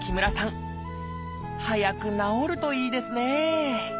早く治るといいですね！